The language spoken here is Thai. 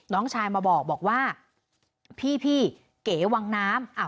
น้องชายมาบอกว่าพี่เก๋วังน้ำ